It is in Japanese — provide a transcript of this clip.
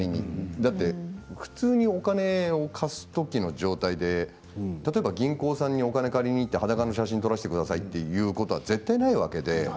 だって普通にお金を貸す時の状態で例えば銀行さんにお金を借りに行って裸の写真撮らせてくださいということは絶対ないわけです。